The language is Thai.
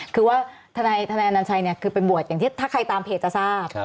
คือว่าทนายอนัญชัยคือเป็นบวชอย่างที่ถ้าใครตามเพจจะทราบ